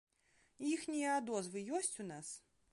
Іхнія адозвы ёсць у нас?